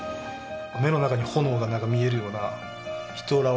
目の中に炎がなんか見えるような人らは多いよね。